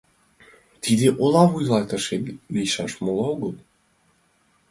Тиде ола вуйлатыше лийшаш, моло огыл!